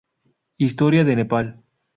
Historia de Nepal